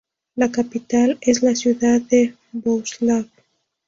La capital es la ciudad de Bohuslav.